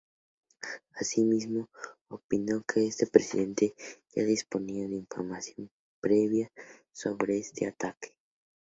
Asimismo, opinó que este presidente ya disponía de información previa sobre este ataque.